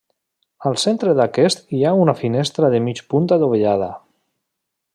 Al centre d'aquest hi ha una finestra de mig punt adovellada.